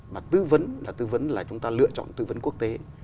mà tư vấn là tư vấn là chúng ta lựa chọn tư vấn quốc tế